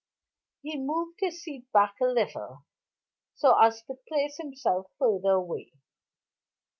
He moved his seat back a little, so as to place himself further away.